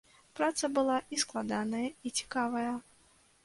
Праца была і складаная, і цікавая.